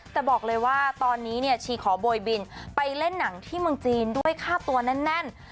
แต่บอกเลยว่าตอนนี้เนี่ยชีขอโบยบินไปเล่นหนังที่เมืองจีนด้วยค่าตัวแน่น